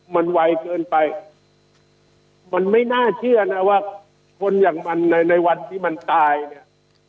มันไวเกินไปมันไม่น่าเชื่อนะว่าคนอย่างมันในในวันที่มันตายเนี่ย